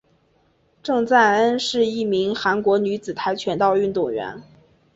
郑在恩是一名韩国女子跆拳道运动员。